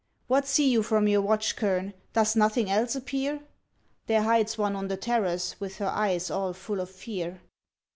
' What see you from your watch, kern : does nothing else appear? '' There hides one on the terrace, with her eyes all full of fear.'